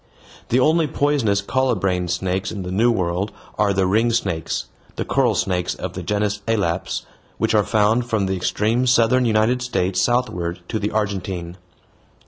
The only poisonous colubrine snakes in the New World are the ring snakes, the coral snakes of the genus elaps, which are found from the extreme southern United States southward to the Argentine.